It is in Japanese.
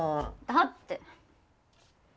だって。